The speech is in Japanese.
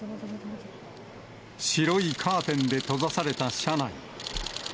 白いカーテンで閉ざされた車内。